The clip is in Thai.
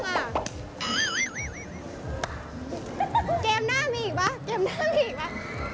เกมหน้ามีอีกป่ะเกมหน้าอีกป่ะ